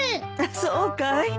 そうかい？